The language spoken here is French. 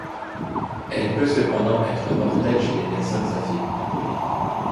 Elle peut cependant être mortelle chez des personnes affaiblies.